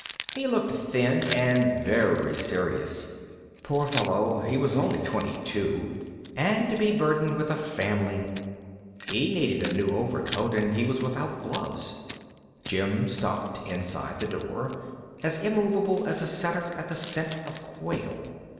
He looked thin and very serious. Poor fellow, he was only twenty two—and to be burdened with a family! He needed a new overcoat and he was without gloves. Jim stopped inside the door, as immovable as a setter at the scent of quail.